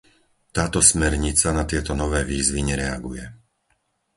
Táto smernica na tieto nové výzvy nereaguje.